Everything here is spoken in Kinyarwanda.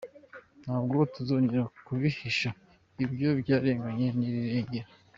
Ntabwo tuzongera kubihisha, ibyo byarenganye n’irirenga.